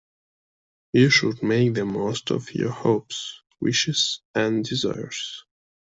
You should make the most of your hopes, wishes and desires.